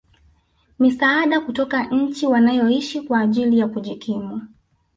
misaada kutoka nchi wanayoishi kwa ajili ya kujikimu